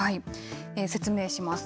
説明します。